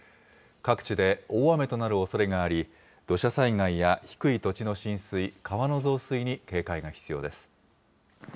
各地で大雨となるおそれがあり、土砂災害や低い土地の浸水、川の増水に警戒が必要です。